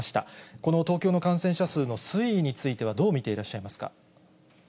この東京の感染者数の推移については、どう見ていらっしゃいますか？